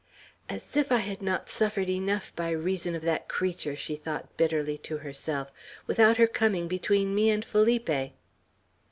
"As if I had not suffered enough by reason of that creature," she thought bitterly to herself, "without her coming between me and Felipe!"